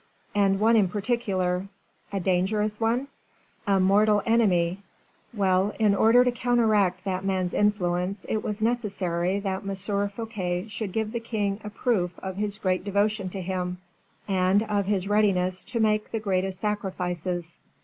"And one in particular." "A dangerous one?" "A mortal enemy. Well, in order to counteract that man's influence, it was necessary that M. Fouquet should give the king a proof of his great devotion to him, and of his readiness to make the greatest sacrifices.